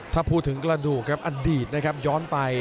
ถ้าพูดถึงกระดูกอะดิดย้อนไป